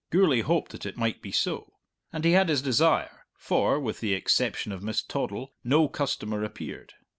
Gourlay hoped that it might be so; and he had his desire, for, with the exception of Miss Toddle, no customer appeared.